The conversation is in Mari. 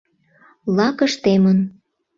Лакыш темын